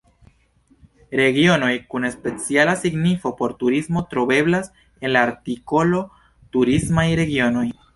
Regionoj kun speciala signifo por turismo troveblas en la artikolo turismaj regionoj.